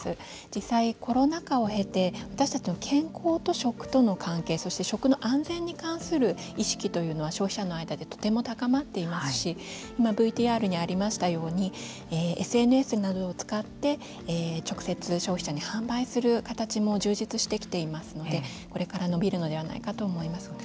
実際コロナ禍を経て私たちも健康と食との関係そして食の安全に関する意識というのは消費者の間でとても高まっていますし今、ＶＴＲにありましたようにＳＮＳなどを使って直接、消費者に販売する形も充実してきていますのでこれから伸びるのではないかと思います。